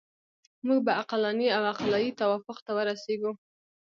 موږ به عقلاني او عقلایي توافق ته ورسیږو.